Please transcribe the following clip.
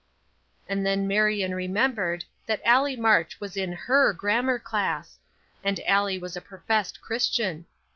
And then Marion remembered that Allie March was in her grammar class; and Allie was a professed Christian.